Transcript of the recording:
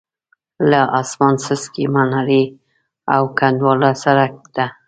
له اسمانڅکې منارې او کنډوالو سره ده.